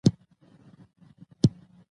دښتې د پوهنې په نصاب کې دي.